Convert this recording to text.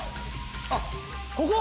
あっここ？